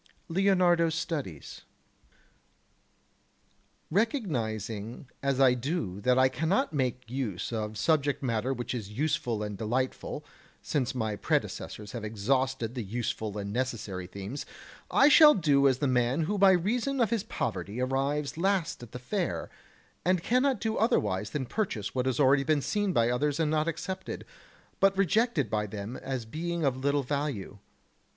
[Sidenote: Leonardo's Studies] 4. Recognizing as I do that I cannot make use of subject matter which is useful and delightful, since my predecessors have exhausted the useful and necessary themes, I shall do as the man who by reason of his poverty arrives last at the fair, and cannot do otherwise than purchase what has already been seen by others and not accepted, but rejected by them as being of little value.